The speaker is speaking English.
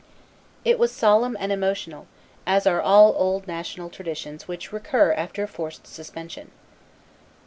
It was solemn and emotional, as are all old national traditions which recur after a forced suspension.